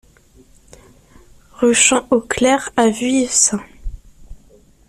Rue Champ au Clerc à Vuillecin